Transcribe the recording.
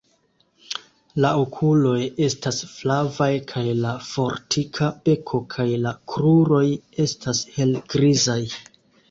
La okuloj estas flavaj kaj la fortika beko kaj la kruroj estas helgrizaj.